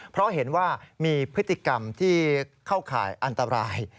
เพราะเห็นว่ามีพฤติกรรมที่เข้าข่ายอันตราย